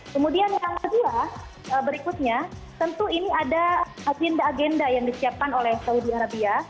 kemudian yang kedua berikutnya tentu ini ada agenda agenda yang disiapkan oleh saudi arabia